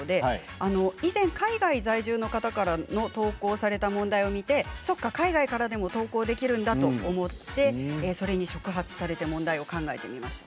以前、海外在住の方から投稿された問題を見てそうか、海外からでも投稿できるんだと思ってそれに触発されて問題を考えてみました。